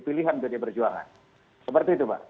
pilihan pdi perjuangan seperti itu pak